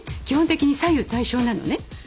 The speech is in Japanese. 基本的に左右対称なのね。